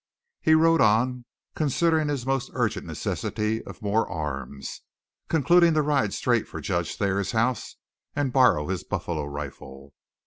He rode on, considering his most urgent necessity of more arms, concluding to ride straight for Judge Thayer's house and borrow his buffalo rifle.